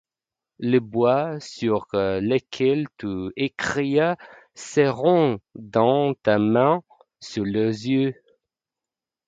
Les bois sur lesquels tu écriras seront dans ta main, sous leurs yeux.